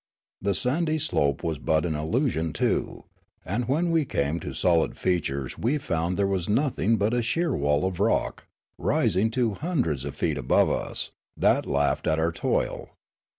The sandy slope was but an illusion, too, and when we came to solid features we found there was nothing but a sheer wall of rock, rising to hundreds of feet above us, that laughed at our toil.